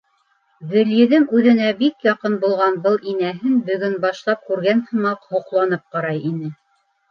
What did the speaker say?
Гөлйөҙөм үҙенә бик яҡын булған был инәһен бөгөн башлап күргән һымаҡ һоҡланып ҡарай ине.